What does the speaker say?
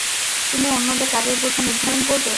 তুমি অন্যদের কাজের বোঝা নির্ধারণ করবে।